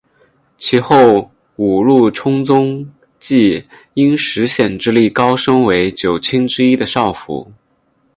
其后五鹿充宗即因石显之力高升为九卿之一的少府。